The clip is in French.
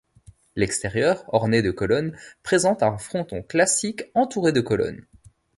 L'extérieur orné de colonnes présente un fronton classique entouré de colonnes.